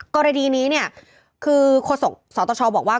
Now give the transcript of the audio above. กรณีนี้เนี่ยคือโฆษกสตชบอกว่า